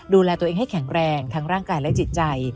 ดูแลตัวเองให้แข็งแรงทั้งร่างกายและจิตใจ